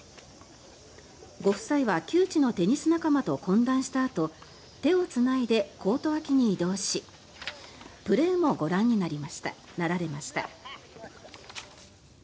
ご夫妻は旧知のテニス仲間と懇談したあと手をつないでコート脇に移動しプレーもご覧になられました。